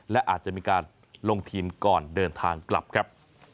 และอาจจะมีการลงทีมก่อนเดินทางกลับครับ